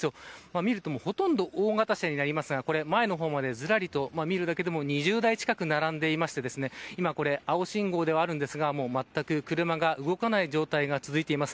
見るとほとんど大型車なりますが前の方まで、ずらりと見るだけでも２０台近く並んでいて今これ、青信号ではあるんですがまったく車が動かない状態が続いています。